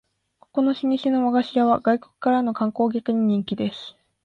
ここの老舗の和菓子屋は外国からの観光客に人気です